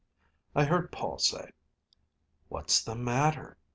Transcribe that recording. I heard Paul say, "What's the matter?"